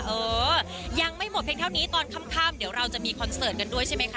เออยังไม่หมดเพียงเท่านี้ตอนค่ำเดี๋ยวเราจะมีคอนเสิร์ตกันด้วยใช่ไหมคะ